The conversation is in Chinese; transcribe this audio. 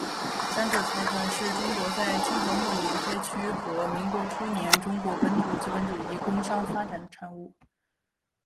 江浙财团是中国在清朝末年开阜和民国初年中国本土资本主义工商业发展的产物。